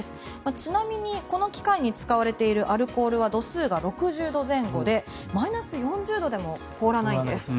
ちなみにこの機械に使われているアルコールは度数が６０度前後でマイナス４０度でも凍らないんです。